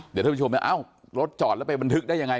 เดี๋ยวมาชมว่ารถจอดแล้วไปบันทึกได้ยังไง